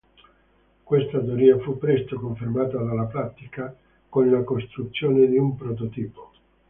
Questa teoria fu presto confermata dalla pratica, con la costruzione di un prototipo.